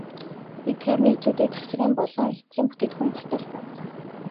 Эдгээр нэгдлүүд завсрын болон эцсийн бүтээгдэхүүн болтол задрах.